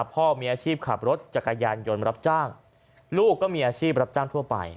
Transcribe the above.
พ่อมีอาชีพขับรถจักรยานยนต์รับจ้างลูกก็มีอาชีพรับจ้างทั่วไป